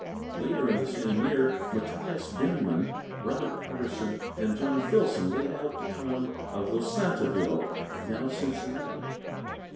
Later in the same year, Matthias Denman, Robert Patterson, and John Filson laid out the town of Losantiville, now Cincinnati.